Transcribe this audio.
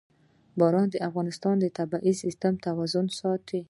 باران د افغانستان د طبعي سیسټم توازن ساتي.